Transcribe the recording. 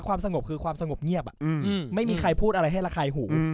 ความสงบคือความสงบเงียบไม่มีใครพูดอะไรให้ระคายหู